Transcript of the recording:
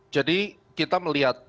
jadi kita melihat